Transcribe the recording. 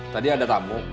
tadi ada tamu